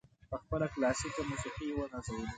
په خپله کلاسیکه موسیقي یې ونازولو.